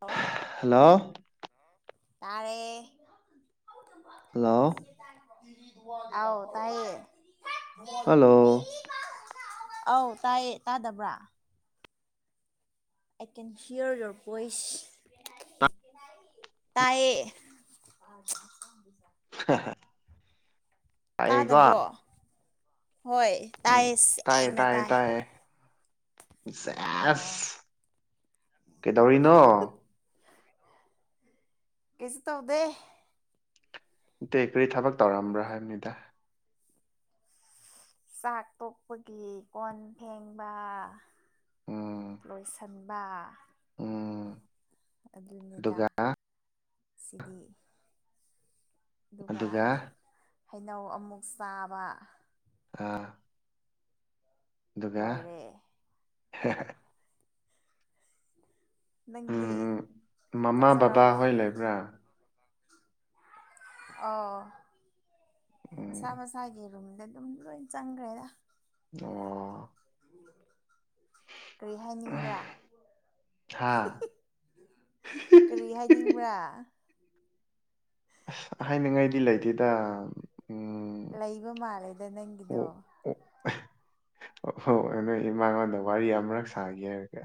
Hello hello ꯌꯥꯥꯔꯦ hello ꯑꯥꯎ ꯇꯥꯏ ꯍꯜꯂꯣ ꯑꯧ ꯇꯥꯏꯌꯦ ꯇꯥꯗꯕ꯭ꯔꯥ I can hair your voice ꯇꯌꯦ ꯇꯥꯏꯌꯦꯀꯣ ꯇꯥꯗꯕ꯭ꯔꯣ ꯍꯣꯏ ꯎꯝ ꯇꯥꯏꯌꯦ ꯇꯥꯏꯌꯦ ꯁꯦꯡꯅ ꯇꯥꯏ ꯖꯦꯁ ꯑꯣ ꯀꯩꯗꯧꯔꯤꯅꯣ ꯀꯁꯨ ꯇꯧꯗ ꯏꯇꯩ ꯀꯔꯤ ꯊꯕꯛ ꯇꯧꯔꯝꯕ꯭ꯔꯣ ꯍꯥꯏꯕꯅꯤꯗ ꯆꯥꯛ ꯇꯣꯛꯄꯒꯤ ꯀꯣꯟ ꯐꯦꯡꯕ ꯎꯝ ꯂꯣꯏꯁꯤꯟꯕ ꯎꯝ ꯑꯗꯨꯅꯤꯗ ꯑꯗꯨꯒ ꯁꯤꯗꯤ ꯑꯗꯨꯒ ꯍꯩꯅꯧ ꯑꯃꯨꯛ ꯆꯥꯕ ꯑꯥ ꯑꯗꯨꯒ ꯂꯣꯏꯔꯦ ꯅꯪꯗꯤ ꯎꯝ ꯆꯥꯛ ꯃꯃꯥ ꯆꯥꯔꯕꯣ ꯕꯕꯥꯍꯣꯏ ꯂꯩꯕ꯭ꯔꯥ ꯑꯣ ꯎꯝ ꯃꯁꯥ ꯃꯁꯥꯒꯤ ꯔꯨꯝꯗ ꯑꯗꯨꯝ ꯂꯣꯏ ꯆꯪꯈ꯭ꯔꯦꯗ ꯑꯣ ꯀꯔꯤ ꯍꯥꯏꯅꯤꯡꯕ꯭ꯔꯥ ꯍꯥ ꯀꯔꯤ ꯍꯥꯏꯅꯤꯡꯕ꯭ꯔꯥ ꯑꯁ ꯍꯥꯏꯅꯤꯡꯉꯥꯏꯗꯤ ꯂꯩꯇꯦꯗ ꯎꯝ ꯂꯩꯕ ꯃꯥꯜꯂꯦꯗ ꯅꯪꯒꯤꯗꯣ ꯑꯣ ꯑꯣ ꯍꯣꯏ ꯅꯣꯏ ꯏꯃꯥꯉꯣꯟꯗ ꯋꯥꯔꯤ ꯑꯃꯔꯛ ꯁꯥꯒꯦ ꯍꯥꯏꯔꯒꯦ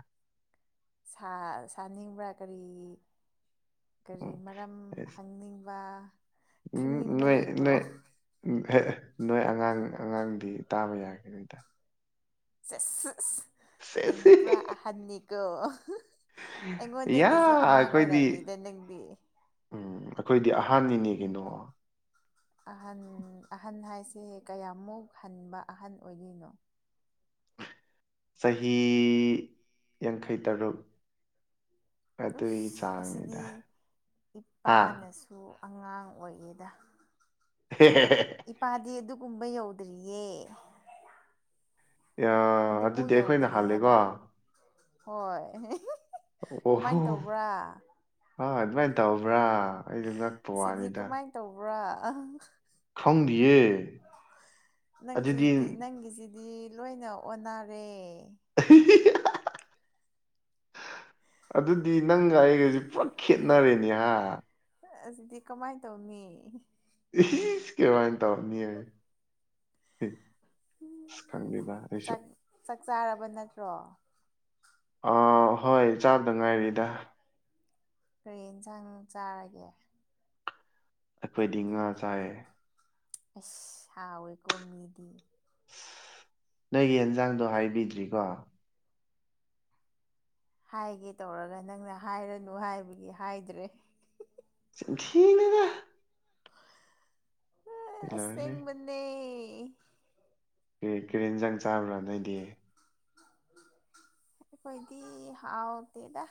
ꯁꯥꯅꯤꯡꯕ꯭ꯔꯥ ꯀꯔꯤ ꯀꯔꯤ ꯎꯝ ꯃꯔꯝ ꯍꯪꯅꯤꯡꯕ ꯎꯝ ꯈꯪꯅꯤꯡꯕ ꯅꯣꯏ ꯂꯩꯕ꯭ꯔꯣ ꯅꯣꯏ ꯎꯝ ꯅꯣꯏ ꯑꯉꯥꯡ ꯑꯉꯥꯡꯗꯤ ꯇꯥꯕ ꯌꯥꯒꯅꯤꯗ ꯁ ꯁꯦꯁ ꯅꯪꯗꯤ ꯄꯨꯔꯥ ꯑꯍꯟꯅꯤꯀ ꯌꯥ ꯑꯩꯉꯣꯟꯗꯒꯤꯁꯨ ꯑꯉꯥꯡ ꯑꯩꯈꯣꯏꯗꯤ ꯑꯣꯏꯔꯕꯝꯅꯤꯅ ꯅꯪꯕꯤ ꯎꯝ ꯑꯩꯈꯣꯏꯗꯤ ꯑꯍꯥꯟꯕꯅꯤꯅꯦ ꯀꯩꯅꯣ ꯑꯍꯟ ꯑꯍꯟ ꯍꯥꯏꯁꯦ ꯀꯌꯥꯃꯨꯛ ꯍꯟꯕ ꯑꯍꯟ ꯑꯣꯏꯗꯣꯏꯅꯣ ꯆꯍꯤ ꯌꯥꯡꯈꯩꯇꯔꯨꯛ ꯎꯁ ꯑꯁꯤꯗꯤ ꯆꯥꯡꯅꯤꯗ ꯍꯥ ꯏꯄꯥꯅꯁꯨ ꯇ ꯑꯉꯥꯡ ꯑꯣꯏꯌꯦꯦꯗ ꯍ ꯏꯄꯥꯗꯤ ꯑꯗꯨꯒꯨꯝꯕ ꯌꯧꯗ꯭ꯔꯤꯌꯦ ꯌꯥ ꯑꯗꯨꯃꯨꯛ ꯑꯗꯨꯗꯤ ꯑꯩꯈꯣꯏꯅ ꯌꯧꯗ꯭ꯔꯤ ꯍꯥꯜꯂꯦꯀꯣ ꯍꯥꯏꯕ ꯍꯣꯏ ꯀꯃꯥꯏꯅ ꯑꯣꯍꯣ ꯇꯧꯕ꯭ꯔꯥ ꯑꯥ ꯑꯗꯨꯃꯥꯏꯅ ꯇꯧꯕ꯭ꯔꯥ ꯑꯩꯗꯣ ꯉꯛꯄ ꯁꯤꯗꯤ ꯋꯥꯅꯤꯗ ꯀꯃꯥꯏꯅ ꯇꯧꯕ꯭ꯔꯥ ꯈꯪꯗꯤꯌꯦ ꯅꯪ ꯑꯗꯨꯗꯤ ꯁꯤꯤꯇꯤ ꯅꯪꯒꯤ ꯁꯤ ꯗꯤ ꯂꯣꯏꯅ ꯑꯣꯟꯅꯔꯦ [unintelligible] ꯑꯗꯨꯗꯤ ꯅꯪꯒ ꯑꯩꯒꯁꯦ ꯄꯨꯔꯞ ꯈꯦꯠꯅꯔꯦꯅꯦꯍ ꯑꯗꯨꯗꯤ ꯀꯃꯥꯏꯅ ꯇꯧꯅꯤ ꯏꯁ ꯀꯃꯥꯏꯅ ꯇꯧꯅꯤ ꯈꯪꯕꯤꯕ ꯑꯩꯁꯨ ꯆꯥꯛ ꯆꯥꯛ ꯆꯥꯔꯕ ꯅꯠꯇ꯭ꯔꯣ ꯑꯥ ꯍꯣꯏ ꯆꯥꯗ ꯉꯥꯏꯔꯤꯗ ꯀ꯭ꯔꯦꯟ ꯁꯪ ꯆꯥꯔꯒꯦ ꯑꯩꯈꯣꯏꯗꯤ ꯉꯥ ꯆꯥꯏꯌꯦ ꯑ ꯍꯥꯎꯋꯦꯀꯣꯃꯤꯗꯤ ꯅꯪꯒꯤ ꯑꯦꯟꯖꯥꯡꯗꯣ ꯍꯥꯏꯕꯤꯗ꯭ꯔꯤꯀꯣ ꯍꯥꯏꯒꯦ ꯇꯧꯔꯒ ꯅꯪꯅ ꯍꯥꯏꯔꯅꯨ ꯍꯥꯏꯕꯒꯤ ꯍꯥꯏꯗ꯭ꯔꯦ ꯊꯅꯦꯒ ꯑꯦ ꯂꯣꯏꯔꯦ ꯑꯁꯦꯡꯕꯅꯦ ꯒ꯭ꯔꯤꯟꯖꯪ ꯆꯥꯕ꯭ꯔꯥ ꯅꯣꯏꯗꯤ ꯀꯣꯏꯗꯤ ꯍꯥꯎꯗꯗ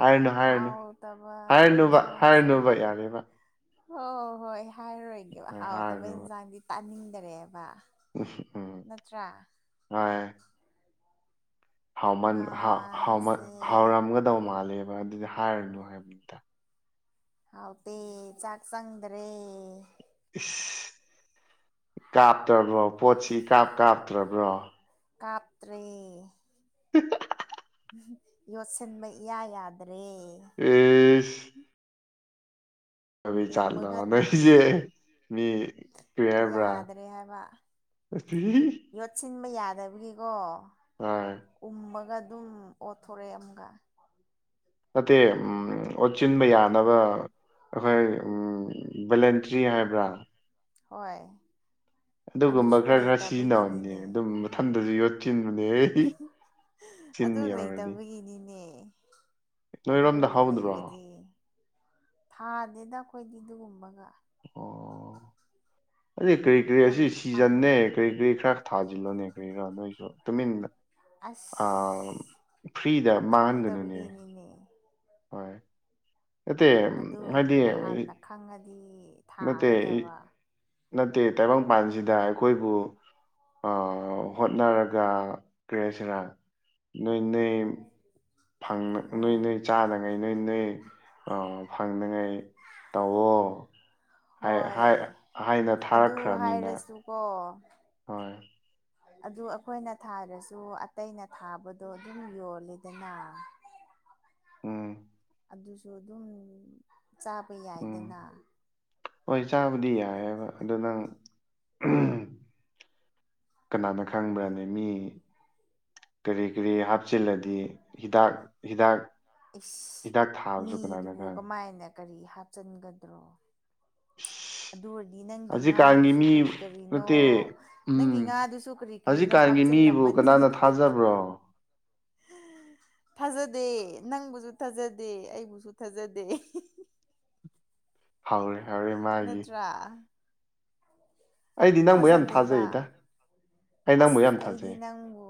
ꯍꯥꯏꯔꯨꯅꯨ ꯍꯥꯏꯔꯨꯅꯨ ꯍꯥꯎꯇꯕ ꯍꯥꯏꯔꯅꯨꯕ ꯍꯤꯟꯖꯥꯡ ꯆꯥꯏ ꯍꯥꯏꯔꯨꯅꯨꯕ ꯌꯥꯔꯦꯕ ꯍꯣꯏ ꯍꯣꯏ ꯍꯥꯏꯔꯣꯏꯒꯦꯕ ꯍꯣꯏ ꯍꯥꯎꯇꯕ ꯍꯥꯏꯔꯅꯨꯕ ꯏꯟꯁꯥꯡꯗꯤ ꯇꯥꯅꯤꯡꯗꯔꯦꯕ ꯎ ꯎꯝ ꯅꯠꯇ꯭ꯔꯥ ꯍꯣꯏ ꯥꯎꯃꯟ ꯉꯥꯁꯦ ꯍꯥꯎꯔꯝꯒꯗꯧ ꯃꯥꯜꯂꯦꯕ ꯑꯗꯨꯗꯤ ꯍꯥꯏꯔꯨꯅꯨ ꯍꯥꯏꯕꯅꯤ ꯇꯥꯏ ꯍꯥꯎꯇꯦ ꯆꯥꯛ ꯆꯪꯗ꯭ꯔꯦ ꯏꯁ ꯀꯥꯞꯇ꯭ꯔꯕ꯭ꯔꯣ ꯄꯣꯠꯁꯤ ꯀꯥꯞ ꯀꯥꯞꯇ꯭ꯔꯕ꯭ꯔꯣ ꯀꯥꯇ꯭꯭ꯔꯔꯤ [unintelligible] ꯌꯣꯠꯁꯤꯟꯕ ꯏꯌꯥ ꯌꯥꯗ꯭ꯔꯦ ꯎ ꯄꯁ [unintelligible] ꯎꯝ ꯀꯕꯩ ꯆꯥꯠꯂꯣ ꯎꯝꯃꯒ ꯑꯗꯨꯝ ꯅꯣꯏꯁꯦ ꯃꯤ ꯀꯦꯔꯕ꯭ꯔꯥ ꯌꯥꯗ꯭ꯔꯦ ꯍꯥꯏꯕ ꯊ [unintelligible] ꯌꯣꯠꯁꯤꯟꯕ ꯌꯥꯗꯕꯒꯤꯀꯣ ꯍꯣꯏ ꯎꯝꯒ ꯑꯗꯨꯝ ꯑꯣꯠꯊꯣꯔꯛꯑꯦ ꯑꯃꯒ ꯅꯠꯇꯦ ꯎꯝ ꯑꯣꯠꯆꯤꯟꯕ ꯌꯥꯅꯕ ꯑꯩꯈꯣꯏ ꯕꯦꯂꯦꯟꯇ꯭ꯔꯤ ꯍꯥꯏꯕ꯭ꯔꯥ ꯍꯣꯏ ꯑꯗꯨꯒꯨꯝꯕ ꯑꯗꯨꯁꯨ ꯈꯔ ꯈꯔ ꯁꯤꯖꯤꯟꯅꯕꯅꯤ ꯂꯩꯇꯕꯒꯤꯅꯤꯅꯦ ꯑꯗꯨꯝ ꯃꯊꯟꯗꯁꯨ ꯌꯣꯠꯁꯤꯟꯕꯅꯦ ꯑꯗꯨ ꯂꯩꯇꯕꯒꯤꯅꯤꯅꯦ ꯑꯗꯨ ꯅꯣꯏꯔꯣꯝꯗ ꯍꯧꯗ꯭ꯔꯣ ꯑꯣ ꯂꯩꯔꯗꯤ ꯊꯥꯗꯦꯗ ꯑꯩꯈꯣꯏꯗꯤ ꯑꯗꯨꯒꯨꯝꯕꯒ ꯑꯣ ꯑꯁꯤ ꯀꯔꯤ ꯀꯔꯤ ꯑꯁꯤ ꯌꯥꯝ ꯁꯤꯖꯟꯅꯦ ꯄꯪꯉꯦ ꯀꯔꯤ ꯀꯔꯤ ꯈꯔ ꯊꯥꯖꯤꯜꯂꯣꯅꯦ ꯀꯔꯤꯔ ꯅꯣꯏꯁꯨ ꯇꯨꯃꯤꯟꯅ ꯑ ꯑꯁ ꯐ꯭ꯔꯤꯗ ꯃꯥꯡꯅꯒꯅꯅꯦ ꯑꯉꯣ [unintelligible] ꯍꯣꯏ ꯅꯠꯇꯦ ꯑꯗꯨ ꯍꯥꯏꯗꯤ ꯅꯍꯥꯟꯅ ꯈꯪꯉꯗꯤ ꯅꯠꯇꯦ ꯊꯥꯒꯗꯕ ꯅꯠꯇꯦ ꯇꯥꯏꯕꯪꯄꯥꯟꯁꯤꯗ ꯑꯩꯈꯣꯏꯕꯨ ꯑ ꯍꯣꯠꯅꯔꯒ ꯀꯔꯦꯁꯤꯅ ꯅꯣꯏ ꯅꯣꯏ ꯐꯪꯅ ꯅꯣꯏ ꯑꯥ ꯅꯣꯏ ꯆꯥꯅꯉꯩ ꯅꯣꯏ ꯅꯣꯏ ꯑ ꯐꯪꯅꯤꯉꯥꯏ ꯇꯧꯑꯣꯣ ꯍꯥꯢ ꯍꯣꯏ ꯍꯥꯢ ꯍꯥꯏꯅ ꯊꯥꯔꯛꯈ꯭ꯔꯅꯤꯅ ꯑꯣ ꯍꯣꯏ ꯑꯗꯨ ꯑꯩꯈꯣꯏꯅ ꯊꯥꯔꯁꯨ ꯑꯇꯩꯅ ꯊꯥꯕꯗꯣ ꯑꯗꯨꯝ ꯌꯣꯜꯂꯦꯗꯅ ꯎꯝ ꯑꯗꯨꯁꯨ ꯑꯗꯨꯝ ꯆꯥꯕ ꯎꯝ ꯌꯥꯏꯗꯅ ꯍꯣꯏ ꯆꯥꯕꯗꯤ ꯌꯥꯏꯑꯦꯕ ꯑꯗꯨ ꯅꯪ ꯀꯅꯥꯅ ꯈꯪꯕ꯭ꯔꯅꯦ ꯃꯤ ꯀꯔꯤ ꯀꯔꯤ ꯍꯥꯞꯆꯤꯜꯂꯗꯤ ꯍꯤꯗꯥꯛ ꯍꯤꯗꯥꯛ ꯏꯁ ꯍꯤꯗꯥꯛ ꯊꯥꯕꯁꯨ ꯀꯅꯥꯅ ꯃꯤꯗꯨꯕꯨ ꯈꯪ ꯀꯃꯥꯏꯅ ꯀꯔꯤ ꯍꯥꯞꯆꯤꯟꯒꯗ꯭ꯔꯣ [unintelligible] ꯑꯗꯨ ꯑꯣꯏꯔꯗꯤ ꯅꯪꯒꯤ ꯍꯧꯖꯤꯛꯀꯥꯟꯒꯤ ꯉꯥꯗꯨꯁꯨ ꯃꯤ ꯀꯔꯤ ꯀꯔꯤꯅꯣ ꯅꯠꯇꯦ ꯅꯪꯒꯤ ꯎꯝ ꯉꯥꯗꯨꯁꯨ ꯀꯔꯤ ꯀꯔꯤꯅꯣ ꯍꯧꯖꯤꯛꯀꯥꯟꯒꯤ ꯃꯤꯕꯨ ꯍꯥꯞꯆꯤꯜꯂꯝꯃꯅꯤ ꯀꯅꯥꯅ ꯊꯥꯖꯕ꯭ꯔꯣ ꯊꯥꯖꯗꯦ ꯅꯪꯕꯨꯁꯨ ꯊꯥꯖꯗꯦ ꯑꯩꯕꯨꯁꯨ ꯊꯥꯖꯗꯦ ꯍꯧꯥꯎꯔꯦ ꯍꯧꯔꯦ ꯃꯥꯒꯤ ꯀꯥ ꯑꯩꯗꯤ ꯅꯪꯕꯨ ꯌꯥꯝ ꯊꯥꯖꯗꯦꯕ ꯊꯥꯖꯩꯗ ꯑꯩ ꯅꯪꯕꯨ ꯑꯁ ꯌꯥꯝ ꯑꯩꯗꯤ ꯊꯥꯖꯩ ꯅꯪꯕꯨ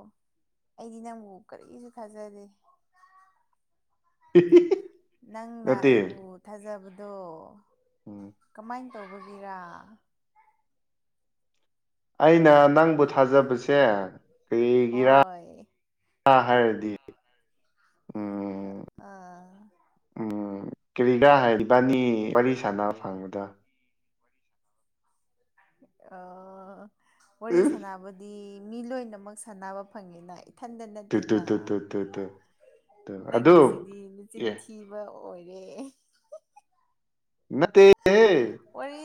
ꯑꯩꯗꯤ ꯅꯪꯕꯨ ꯀꯔꯤꯁꯨ ꯊꯥꯖꯗꯦ ꯍꯤꯍꯤꯍꯤ ꯅꯪꯅ ꯑꯩꯕꯨ ꯊꯥꯖꯕꯗꯣ ꯎꯝ ꯀꯃꯥꯏꯅ ꯇꯧꯕꯒꯤꯔꯥ ꯑꯩꯅ ꯅꯪꯕꯨ ꯊꯥꯖꯕꯁꯦ ꯀꯩꯒꯤꯔꯥ ꯍꯣꯏ ꯍꯥꯏꯔꯗꯤ ꯎꯝ ꯑꯥ ꯎꯝ ꯀꯦꯔꯤꯒꯥ ꯍꯥꯏꯔꯗꯤ ꯢꯕꯥꯅꯤ ꯋꯥꯔꯤ ꯁꯥꯟꯅꯕ ꯐꯪꯕꯗꯣ ꯑꯣ ꯋꯥꯔꯤ ꯁꯥꯟꯅꯕꯗꯤ ꯃꯤ ꯂꯣꯏꯅꯃꯛ ꯁꯥꯟꯅꯕ ꯐꯪꯉꯤꯅ ꯏꯊꯟꯇ ꯇꯨ ꯇꯨ ꯅꯠꯇꯦꯅ ꯇꯨ ꯇꯨ ꯇꯨ ꯇꯨ ꯇꯨ ꯑꯗꯨ ꯅꯪꯒꯤꯁꯤꯗꯤ ꯃꯆꯤꯟ ꯑꯦ ꯊꯤ ꯕ ꯑꯣꯏꯔꯦ ꯅꯠꯇꯦꯍꯦ ꯋꯥꯔꯤ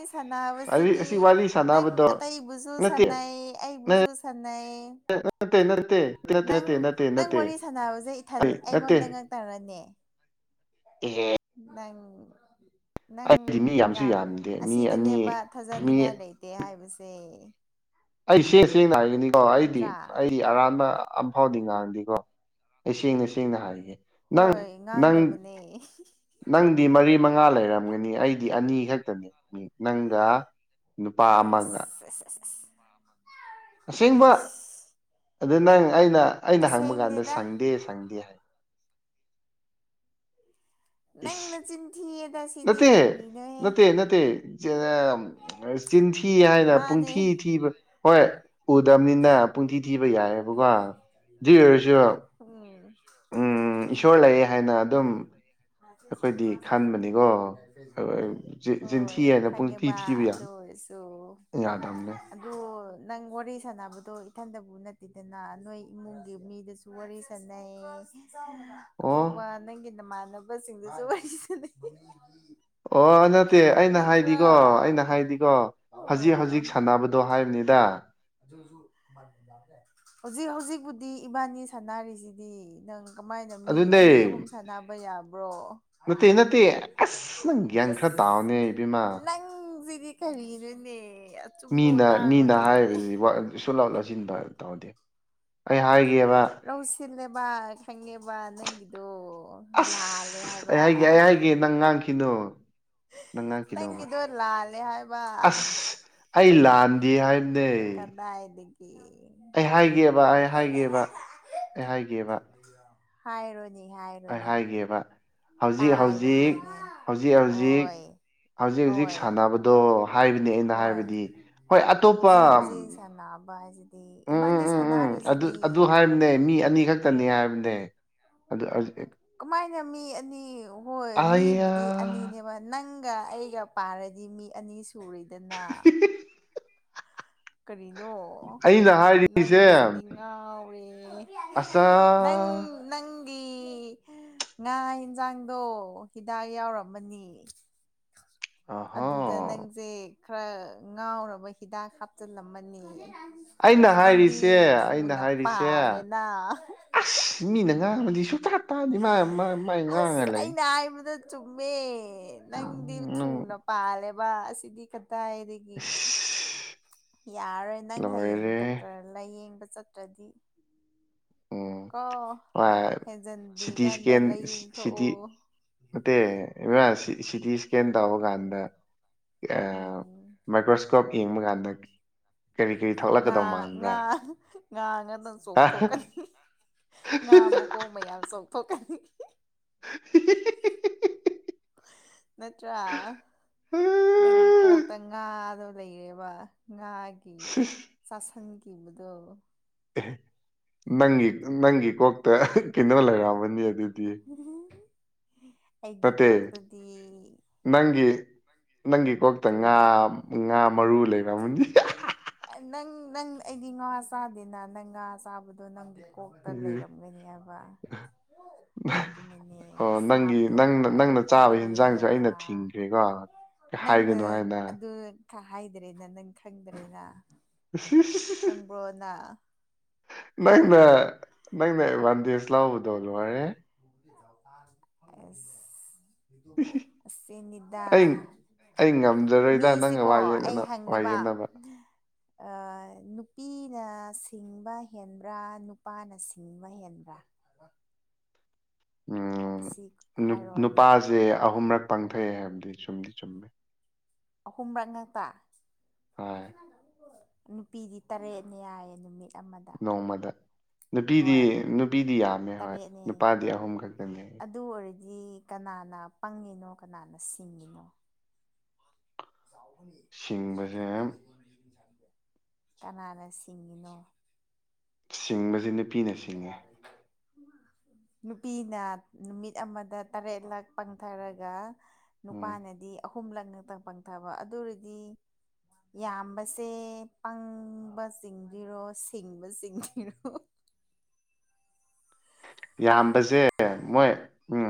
ꯋꯥꯔꯤ ꯁꯥꯟꯅꯕꯁꯤꯗꯤ ꯑꯁꯤ ꯋꯥꯔꯤ ꯅꯪ ꯁꯥꯟꯅꯕꯗꯣ ꯑꯇꯩꯕꯨꯁꯨ ꯅꯠꯇꯦ ꯁꯥꯟꯅꯩ ꯑꯩꯕꯨꯁꯨ ꯁꯥꯟꯅꯩ ꯅꯠꯇꯦ ꯅꯠꯇꯦ ꯅꯠꯇꯦ ꯅꯪ ꯅꯠꯇꯦ ꯅꯠꯇꯦ ꯅꯪ ꯅꯠꯇꯦ ꯋꯥꯔꯤ ꯁꯥꯟꯅꯕꯁꯦ ꯏꯊꯟ ꯑꯩ ꯅꯠꯇꯦ ꯑꯩꯉꯣꯟꯗ ꯉꯛꯛꯇꯔꯅꯦ ꯢꯍꯦ ꯅꯪ ꯅꯪ ꯑꯩꯗꯤ ꯃꯤ ꯌꯥꯝꯁꯨ ꯌꯥꯝ ꯌꯥꯝꯗꯦ ꯃꯤ ꯑꯁꯤꯗꯅꯦꯕ ꯑꯅꯤ ꯃꯤ ꯊꯥꯖꯅꯤꯡꯉꯥꯏ ꯂꯩꯇꯦ ꯍꯥꯏ ꯁꯦ ꯑꯩ ꯁꯦ ꯁꯦꯡꯅ ꯍꯥꯏꯒꯅꯤꯀꯣ ꯑꯩꯗꯤ ꯅꯠꯇ꯭ꯔꯥ ꯑꯩꯗꯤ ꯑꯔꯥꯟꯕ ꯑꯝꯐꯥꯎꯗꯤ ꯉꯥꯡꯗꯦꯀꯣ ꯑꯩ ꯁꯦꯡꯅ ꯁꯦꯡꯅ ꯍꯥꯏꯒꯦ ꯅꯪ ꯍꯣꯏ ꯅꯪ ꯉꯥꯡꯗꯕꯅꯦ ꯅꯪꯗꯤ ꯃꯔꯤ ꯃꯉꯥ ꯂꯩꯔꯝꯒꯅꯤ ꯑꯩꯗꯤ ꯑꯅꯤ ꯈꯛꯇꯅꯦ ꯅꯪꯒ ꯅꯨꯄꯥ ꯑꯃꯒ ꯑꯦꯁ ꯑꯁ ꯑꯁ ꯑꯁꯦꯡꯕ ꯏꯁ ꯑꯗꯨ ꯅꯪ ꯑꯩꯅ ꯑꯩꯅ ꯍꯪꯕ ꯀꯥꯟꯗ ꯑꯁꯦꯡꯗꯦꯗ ꯁꯪꯗꯦ ꯁꯪꯗꯦ ꯍꯥꯏ ꯅꯪ ꯏꯁ ꯅꯆꯤꯟ ꯊꯤꯌꯦꯗ ꯁꯤꯗꯤ ꯅꯠꯇꯦ ꯀꯔꯤꯅꯣꯍꯦ ꯅꯠꯇꯦ ꯅꯠꯇꯦ ꯆꯤꯟꯊꯤ ꯍꯥꯏꯅ ꯃꯥꯅꯦ ꯄꯨꯡꯊꯤ ꯊꯤꯕ ꯍꯣꯏ ꯎꯗꯕꯅꯤꯅ ꯄꯨꯡꯊꯤ ꯊꯤꯕ ꯌꯥꯏꯑꯕꯀꯣ ꯑꯗꯨ ꯑꯣꯏꯔꯁꯨ ꯎꯝ ꯎꯝ ꯏꯁꯣꯔ ꯂꯩꯑꯦ ꯍꯥꯏꯅ ꯑꯗꯨꯝ ꯑꯩꯈꯣꯏꯗꯤ ꯈꯟꯕꯅꯤꯀꯣ ꯆꯤꯟꯊꯤ ꯍꯣꯏ ꯍꯥꯏꯅ ꯄꯨꯡꯊꯤ ꯈꯪꯉꯦꯕ ꯊꯤꯕ ꯌꯥꯅꯤ ꯌꯥꯗꯕꯅꯦ ꯑꯗꯨꯗ ꯅꯪ ꯋꯥꯔꯤ ꯁꯥꯟꯅꯕꯗꯣ ꯏꯊꯟꯗꯕꯨ ꯅꯠꯇꯦꯗꯅ ꯅꯣꯏ ꯏꯃꯨꯡꯒꯤ ꯃꯤꯗꯁꯨ ꯋꯔꯤ ꯁꯅꯩ ꯑꯣ ꯅꯪꯒꯤ ꯅꯃꯥꯟꯅꯕꯁꯤꯡꯗꯨꯁꯨ ꯋꯔꯤ ꯁꯅꯩ ꯑꯣ ꯅꯠꯇꯦ ꯑꯩꯅ ꯍꯥꯏꯗꯤꯀꯣ ꯑꯩꯅ ꯍꯥꯏꯗꯤꯀꯣ ꯍꯧꯖꯤꯛ ꯑꯣ ꯍꯧꯖꯤꯛ ꯁꯥꯟꯅꯕꯗ ꯗꯣ ꯍꯥꯏꯕꯅꯤꯗ ꯍꯧꯖꯤꯛ ꯍꯧꯖꯤꯛꯄꯨꯗꯤ ꯏꯕꯥꯅꯤ ꯁꯥꯟꯅꯔꯤꯁꯤꯗꯤ ꯅꯪ ꯀꯃꯥꯏꯅ ꯃꯤ ꯑꯗꯨꯅꯦ ꯑꯅꯤ ꯑꯍꯨꯝ ꯁꯥꯟꯅꯕ ꯌꯥꯕ꯭ꯔꯣ ꯅꯠꯇꯦ ꯅꯠꯇꯦ ꯑꯁ ꯅꯪ ꯒ꯭ꯌꯥꯟ ꯈꯔ ꯇꯥꯎꯅꯦ ꯏꯕꯦꯝꯃ ꯅꯪ ꯑꯪꯁꯤꯗꯤ ꯀꯔꯤꯅꯣꯅꯦ ꯑꯆꯨꯝꯕ ꯃꯤꯅ ꯃꯤꯅ ꯉꯥꯡꯉꯣꯅꯦ ꯍꯥꯏꯔꯤꯕꯁꯤꯗꯤ ꯀꯨꯁꯨꯂꯥꯎ ꯂꯧꯁꯤꯟꯕ ꯇꯧꯗꯦ ꯑꯩ ꯍꯥꯏꯒꯦꯕ ꯊꯤꯜꯂꯦꯕ ꯈꯪꯉꯦꯕ ꯅꯪꯒꯤꯗꯣ ꯑꯁ ꯂꯥꯜꯂꯦ ꯑꯩ ꯍꯥꯏꯕ ꯍꯥꯏꯒꯦ ꯑꯩ ꯍꯥꯏꯒꯦ ꯅꯪ ꯉꯥꯡꯈꯤꯅꯣ ꯅꯪ ꯉꯥꯡꯈꯤꯅꯣꯕ ꯅꯪꯒꯤꯗꯣ ꯂꯜꯂꯦ ꯍꯥꯏꯕ ꯑꯁ ꯑꯩ ꯂꯥꯟꯗꯦ ꯍꯥꯏ ꯀꯗꯥꯢꯗꯒꯤ ꯑꯩ ꯍꯥꯏꯒꯦꯕ ꯑꯩ ꯍꯥꯏꯒꯦꯕ ꯑꯩ ꯍꯥꯏꯒꯦꯕ ꯍꯥꯏꯔꯣꯅꯤ ꯍꯥꯏꯔꯣꯅꯤ ꯒꯦꯕ ꯇꯥꯏꯔꯒꯦꯅꯦ ꯍꯧꯖꯤꯛ ꯍꯣꯢ ꯍꯧꯖꯤꯛ ꯍꯧꯖꯤꯛ ꯍꯣꯏ ꯁꯥꯟꯅꯕꯗꯣ ꯍꯥꯏꯕꯅꯤ ꯑꯩꯅ ꯍꯣꯏ ꯍꯥꯏꯕꯗꯤ ꯍꯣꯏ ꯑꯇꯣꯞꯄ ꯍꯧꯖꯤꯛ ꯍꯧꯖꯤꯛ ꯄꯩꯁꯥ ꯅꯥꯕ ꯍꯥꯏꯁꯤꯗꯤ ꯎꯝ ꯏꯕꯥꯅꯤ ꯎꯝ ꯎꯝ ꯎꯝ ꯁꯥꯟꯅꯔꯤ ꯑꯗꯨ ꯑꯗꯨ ꯍꯥꯏꯕꯅꯦ ꯃꯤ ꯑꯅꯤ ꯈꯛꯇꯅꯤ ꯍꯥꯏꯕꯅꯦ ꯑꯗꯨ ꯀꯃꯥꯏꯅ ꯃꯤ ꯑꯅꯤ ꯍꯣꯏ ꯑꯌꯥ ꯃꯤꯕꯨꯗꯤ ꯑꯅꯤꯅꯦꯕ ꯅꯪꯒ ꯑꯩꯒ ꯄꯥꯔꯗꯤ ꯃꯤ ꯑꯅꯤ ꯁꯨꯔꯤꯗꯅ [unintelligible] ꯀꯔꯤꯅꯣ ꯑꯩꯅ ꯅꯪ ꯍꯥꯏꯔꯤꯁꯦ ꯁꯤꯗꯤꯉꯎꯔꯦ ꯑꯆꯥ ꯅꯪ ꯅꯪꯒꯤ ꯉꯥ ꯌꯦꯟꯁꯥꯡꯗꯣ ꯍꯤꯗꯥꯛ ꯌꯥꯎꯔꯝꯃꯅꯤ ꯑꯍꯣ ꯑꯗ ꯅꯪꯁꯦ ꯈꯔ ꯉꯥꯎꯔꯕ ꯍꯤꯗꯥꯛ ꯍꯥꯞꯆꯤꯜꯂꯝꯃꯅꯤ ꯑꯩꯅ ꯍꯥꯏꯔꯤꯁꯦ ꯅꯪꯗꯤ ꯑꯩꯅ ꯊꯨꯅ ꯍꯥꯏꯔꯤꯁꯦ ꯄꯥꯜꯂꯦꯅ ꯑꯁ ꯃꯤꯅ ꯉꯥꯡꯕꯗꯤ ꯁꯨꯛꯇꯥ ꯇꯥꯗꯤ ꯃꯥ ꯃꯥꯏ ꯉꯥꯡꯉ ꯑꯁ ꯂꯩ ꯑꯩꯅ ꯍꯥꯏꯕꯗ ꯆꯨꯝꯃꯦ ꯅꯪꯗꯤ ꯎꯝ ꯅꯪ ꯊꯨꯅ ꯄꯥꯜꯂꯦꯕ ꯑꯁꯤꯗꯤ ꯈꯇ ꯍꯥꯏꯗꯤ ꯑꯩꯒꯤ ꯏꯁ ꯌꯥꯔꯣꯏ ꯅꯪ ꯍꯌꯦꯡ ꯂꯣꯏꯔꯦ ꯗꯣꯛꯇꯔ ꯂꯥꯏꯌꯦꯡꯕ ꯆꯠꯇ꯭ꯔꯗꯤ ꯎꯝ ꯀꯣ ꯍꯣꯏ ꯍꯦꯟꯖꯤꯟꯗ꯭ꯔꯤ ꯁꯤꯇꯤ ꯀꯥꯟꯗ scan ꯂꯥꯏꯌꯦꯡꯊꯣꯛꯑꯣ [unintelligible] E C T scan ꯇꯧꯕ ꯀꯥꯟꯗ ꯎꯝ ꯃꯥꯏꯀ꯭ꯔꯣꯁ ꯏꯁꯀꯞ ꯌꯦꯡꯕ ꯀꯥꯟꯗ ꯀꯔꯤ ꯀꯔꯤ ꯉ ꯊꯣꯛꯂꯛꯀꯗꯧ ꯉ ꯃꯥꯟꯕ꯭ꯔꯥ ꯉꯥ ꯉꯥꯛꯇꯪ ꯆꯣꯡꯊꯣꯛꯀꯅꯤ ꯉꯥ ꯃꯈꯀꯣꯡ ꯃꯌꯥꯝ ꯆꯣꯡꯊꯣꯛꯀꯅꯤ [unintelligible] ꯅꯠꯇ꯭ꯔꯥ ꯅꯪꯒꯤ ꯀꯣꯛꯇ ꯉꯥ ꯑꯗꯨ ꯂꯩꯔꯕ ꯉꯥꯒꯤ ꯁꯤꯁ ꯆꯥꯁꯟꯈꯤꯕꯗꯣ ꯑꯦ ꯅꯪꯒꯤ ꯅꯪꯒꯤ ꯀꯣꯛꯇ ꯀꯩꯅꯩꯅꯣ ꯂꯩꯔꯛꯑꯃꯅꯤ ꯑꯗꯨꯗꯤ ꯑꯩꯒꯤ ꯅꯠꯇꯦ ꯀꯣꯛꯇꯗꯤ ꯅꯪꯒꯤ ꯅꯪꯒꯤ ꯀꯣꯛꯇ ꯉꯥ ꯀꯔꯤ ꯉꯥ ꯃꯔꯨ ꯂꯩꯔꯝꯅꯤ ꯅꯪ ꯅꯪ ꯑꯩꯗꯤ ꯉꯥ ꯆꯥꯗꯦꯅ ꯅꯪ ꯉꯥ ꯆꯥꯕꯗꯣ ꯅꯪꯗꯤ ꯀꯣꯛꯇ ꯎꯝ. ꯂꯩꯔꯝꯒꯅꯤ ꯍꯥꯏꯕ ꯑꯗꯨꯅꯅꯦ ꯑꯣ ꯅꯪꯒꯤ ꯁꯥꯕꯗꯣ ꯅꯪꯅ ꯈꯔ ꯅꯪꯅ ꯈꯔ ꯆꯥꯕ ꯌꯦꯟꯖꯥꯡꯁꯨ ꯑꯩꯅ ꯌꯦꯡꯉꯒ ꯊꯤꯡꯈ꯭ꯔꯦꯀꯣ ꯅꯪꯅ ꯍꯥꯏꯒꯅꯨ ꯍꯥꯏꯅ ꯑꯗꯨ ꯍꯥꯏꯗꯔꯦꯅ ꯅꯪ ꯈꯪꯗꯔꯦꯅ [unintelligible] ꯈꯪꯕ꯭ꯔꯣꯅ ꯅꯪꯅ ꯅꯪꯅ ꯋꯥꯟ ꯗꯦꯖ ꯂꯥꯎꯕꯗꯧ ꯂꯣꯏꯔꯦ [unintelligible] ꯑꯁꯤꯅꯤꯗꯥ ꯑꯩ ꯑꯩ ꯉꯝꯖꯔꯣꯏꯗ ꯅꯪꯒ ꯃꯤꯁꯦꯀꯣ ꯑꯩ ꯋꯥꯌꯦꯅ ꯍꯪꯒꯦꯕ ꯑ, [inaudible] ꯅꯨꯄꯤꯅ ꯁꯤꯡꯕ ꯍꯦꯟꯕ꯭ꯔꯥ ꯅꯨꯄꯥꯅ ꯁꯤꯡꯕ ꯍꯦꯟꯕ꯭ꯔꯥ ꯑ ꯎꯝ ꯍꯥꯏꯔꯛꯑꯣꯅꯦ ꯅꯨꯄꯥꯁꯦ ꯑꯍꯨꯝꯔꯛ ꯄꯥꯡꯊꯣꯛꯑꯦ ꯍꯥꯏꯕꯗꯤ ꯆꯨꯝꯗꯤ ꯆꯨꯝꯃꯦ ꯑꯍꯨꯝꯔꯛ ꯉꯥꯛꯛꯇ ꯍꯣꯏ ꯅꯨꯄꯤꯗꯤ ꯇꯔꯦꯠꯅꯦ ꯌꯥꯏꯌꯦ ꯅꯨꯃꯤꯠ ꯑꯃꯗ ꯅꯣꯡꯃꯗ ꯅꯨꯄꯤꯗꯤ ꯍꯣꯏ ꯅꯨꯄꯤꯗꯤ ꯌꯥꯝꯃꯦ ꯍꯣꯏ ꯇꯔꯦꯠꯅꯦ ꯅꯨꯄꯥꯗꯤ ꯑꯍꯨꯝ ꯈꯛꯇꯅꯦ ꯑꯗꯨ ꯑꯣꯏꯔꯗꯤ ꯀꯅꯥꯅ ꯄꯪꯉꯤꯅꯣ ꯀꯅꯥꯅ ꯁꯤꯡꯉꯤꯅꯣ ꯁꯤꯡꯕꯁꯦ ꯀꯅꯥꯅ ꯁꯤꯡꯉꯤꯅꯣ ꯁꯤꯡꯕꯁꯤ ꯅꯨꯄꯤꯅꯦ ꯀ ꯌꯥꯔꯔꯤ ꯅꯨꯄꯤꯅ ꯅꯨꯃꯤꯠ ꯑꯃꯗ ꯇꯔꯦꯠꯂꯥꯛ ꯄꯥꯡꯊꯔꯒ ꯎꯝ ꯅꯨꯄꯥꯅꯗꯤ ꯑꯍꯨꯝꯂꯛꯅꯛꯇꯪ ꯄꯪꯊꯕ ꯑꯗꯨꯔꯗꯤ ꯌꯥꯝꯕꯁꯦ ꯄꯪꯕ ꯆꯤꯡꯗꯔꯣ ꯁꯤꯡꯕ ꯆꯤꯡꯗꯔꯣ ꯌꯥꯝꯕꯁꯦ ꯃꯣꯏ ꯎꯝ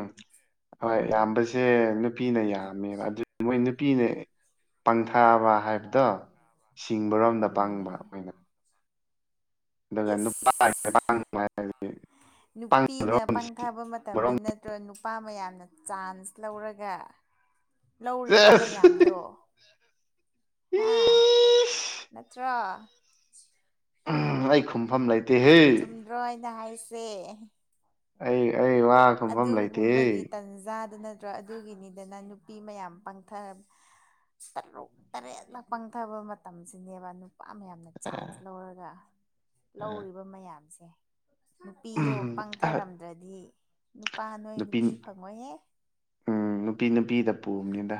ꯍꯣꯏ ꯎꯝ ꯌꯥꯝꯕꯁꯦ ꯁꯦ ꯅꯨꯄꯤꯅ ꯌꯥꯝꯃꯦꯕ ꯑꯗꯨ ꯃꯣꯏ ꯅꯨꯄꯤꯅ ꯄꯪꯊꯥꯕ ꯍꯥꯏꯕꯗꯣ ꯁꯤꯡꯕꯔꯣꯝꯗ ꯄꯪꯕ ꯎꯝ ꯑꯈꯣꯏꯅ ꯏꯁ ꯅꯨꯄꯤꯅ ꯄꯪꯕꯔꯣꯝꯗ ꯄꯪꯊꯥꯕ ꯃꯇꯝꯗ ꯁꯤꯡꯕꯔꯣꯝꯗ ꯑꯣ ꯅꯨꯄꯥ ꯃꯌꯥꯝꯅ ꯆꯥꯟꯁ ꯂꯧꯔꯒ ꯂꯧꯔꯤꯕ ꯁꯦꯁ ꯃꯌꯥꯝꯗꯣ ꯍꯥ ꯏꯁ ꯅꯠꯇ꯭ꯔ ꯑꯥ ꯑꯩ ꯈꯨꯝꯐꯝ ꯂꯩꯇꯦꯍꯦ ꯔꯣꯏꯅ ꯍꯥꯏꯁꯦ ꯑꯩ ꯑꯩ ꯋꯥꯥꯛ ꯑꯗꯨꯒꯨꯝꯕꯒꯤ ꯇꯟꯖꯥꯗꯨ ꯅꯠꯇ꯭ꯔꯣ ꯑꯗꯨꯒꯤꯅꯤꯗꯅ ꯅꯨꯄꯤ ꯃꯌꯥꯝ ꯄꯪꯊ ꯇꯔꯨꯛ ꯇꯔꯦꯠꯂꯛ ꯄꯪꯊꯕ ꯃꯇꯝꯁꯤꯅꯦꯕ ꯅꯨ ꯅꯨꯄꯥ ꯃꯌꯥꯝꯅ ꯆꯥꯟꯁ ꯂꯧꯔꯒ ꯑ, ꯂꯧꯔꯤꯕ ꯃꯌꯥꯝꯁꯦ ꯅꯨꯄꯤꯗꯣ ꯑꯍ, ꯄꯪꯊꯔꯝꯗ꯭ꯔꯗꯤ ꯅꯨꯄꯥ ꯅꯣꯏ ꯅꯨꯄꯤ ꯐꯪꯉꯣꯏꯍꯦ ꯎꯝ ꯅꯨꯄꯤ ꯅꯨꯄꯤꯗ ꯄꯨꯕꯅꯤꯗ